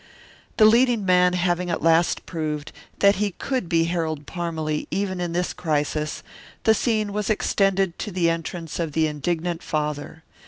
The leading man having at last proved that he could be Harold Parmalee even in this crisis, the scene was extended to the entrance of the indignant father.